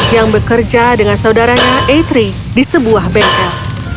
yang bekerja dengan saudaranya atri di sebuah bengkel